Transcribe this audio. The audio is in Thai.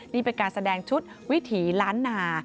นี่เป็นการแสดงชุดวิถีล้านนา